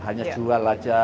hanya jual saja